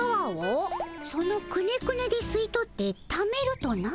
そのくねくねですいとってためるとな？